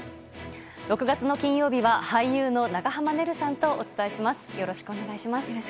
６月の金曜日は、俳優の長濱ねるさんとお伝えします。